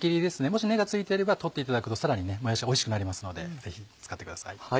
もし根が付いていれば取っていただくとさらにもやしおいしくなりますのでぜひ使ってください。